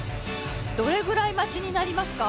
どれぐらい待ちになりますか？